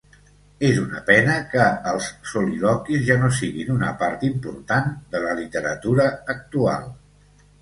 És una pena que els soliloquis ja no siguin una part important de la literatura actual.